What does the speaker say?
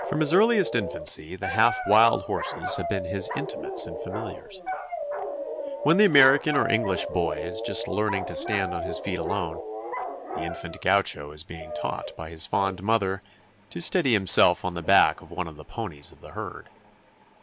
From his earliest infancy the half wild horses have been his intimates and familiars. When the American or English boy is just learning to stand on his feet alone, the infant Gaucho is being taught by his fond mother to steady himself on the back of one of the ponies of the herd.